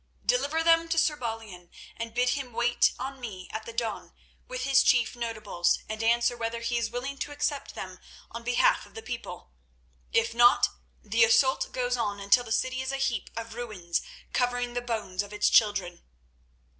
Deliver them to Sir Balian, and bid him wait on me at the dawn with his chief notables, and answer whether he is willing to accept them on behalf of the people. If not, the assault goes on until the city is a heap of ruins covering the bones of its children."